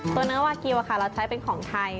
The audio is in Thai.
ตัวเนื้อวากิลเราใช้เป็นของไทย